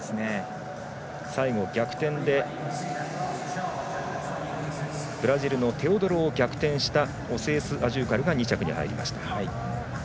逆転でブラジルのテオドロを逆転したオセースアジューカルが２着に入りました。